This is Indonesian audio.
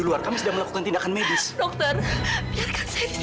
kok melamun sedih